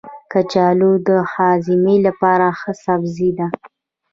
کچالو د هاضمې لپاره ښه سبزی دی.